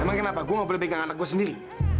emang kenapa gua gak boleh pegang anak gua sendiri